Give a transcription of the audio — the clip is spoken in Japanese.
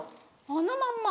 あのまんま。